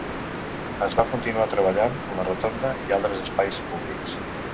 Es va continuar treballant en la rotonda i altres espais públics.